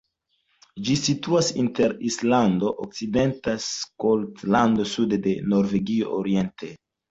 Ĝi situas inter Islando okcidente, Skotlando sude kaj Norvegio oriente.